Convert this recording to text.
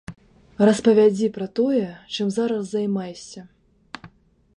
Распавядзі пра тое, чым зараз займаешся.